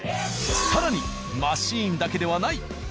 更にマシンだけではない。